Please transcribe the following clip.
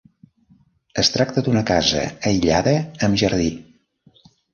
Es tracta d'una casa aïllada amb jardí.